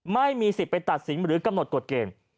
ไม่มีสิทธิ์ไปตัดสินหรือกำหนดกฎเกณฑ์